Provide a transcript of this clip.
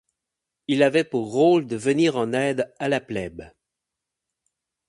Il avait pour rôle de venir en aide à la plèbe.